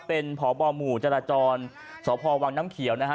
เป็นพบหมู่จราจรสพวังน้ำเขียวนะฮะ